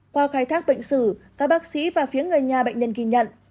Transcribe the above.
qua khai thác bệnh sử các bác sĩ và phía người nhà bệnh nhân ghi nhận